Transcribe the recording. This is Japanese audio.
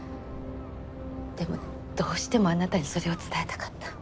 でもどうしてもあなたにそれを伝えたかった。